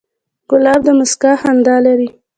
ګلاب د موسکا خندا لري.